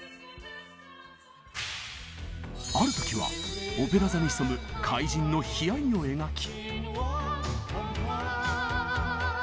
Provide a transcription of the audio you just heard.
ある時はオペラ座に潜む怪人の悲哀を描き。